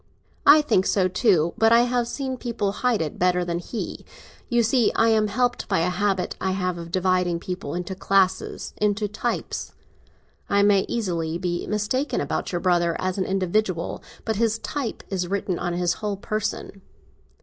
"I think so too; but I have seen people hide it better than he. You see I am helped by a habit I have of dividing people into classes, into types. I may easily be mistaken about your brother as an individual, but his type is written on his whole person."